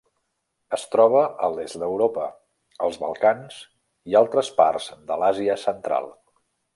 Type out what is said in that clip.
Es troba a l'est d'Europa, als Balcans i altres parts de l'Àsia Central.